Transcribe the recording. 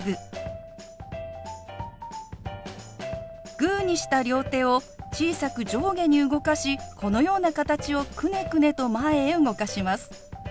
グーにした両手を小さく上下に動かしこのような形をくねくねと前へ動かします。